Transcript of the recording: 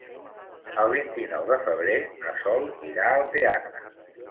El vint-i-nou de febrer na Sol irà al teatre.